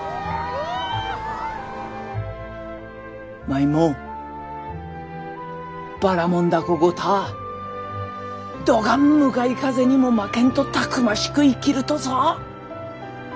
舞もばらもん凧ごたぁどがん向かい風にも負けんとたくましく生きるとぞ。